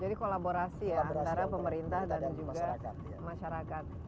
jadi kolaborasi ya antara pemerintah dan juga masyarakat